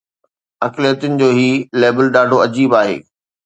اقليتن جو هي ليبل ڏاڍو عجيب آهي.